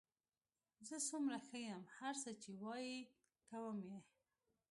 زه څومره ښه یم، هر څه چې وایې کوم یې.